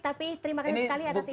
tapi terima kasih sekali atas insetnya